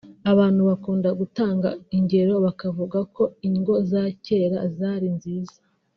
Abantu bakunda gutanga ingero bakavuga ngo ingo za kera zari nziza